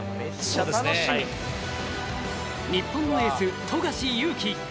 日本のエース富樫勇樹